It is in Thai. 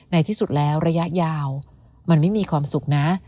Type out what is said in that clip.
ในที่สุดแล้วระยะยาวมันไม่มีความสุขนะ